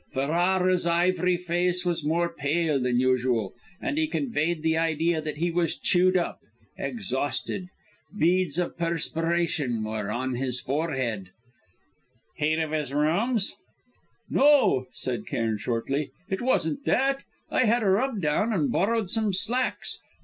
Ferrara's ivory face was more pale than usual, and he conveyed the idea that he was chewed up exhausted. Beads of perspiration were on his forehead." "Heat of his rooms?" "No," said Cairn shortly. "It wasn't that. I had a rub down and borrowed some slacks.